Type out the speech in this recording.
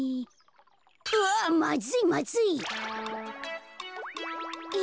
うわっまずいまずい！